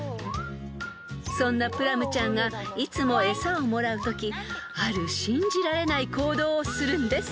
［そんなプラムちゃんがいつも餌をもらうときある信じられない行動をするんです］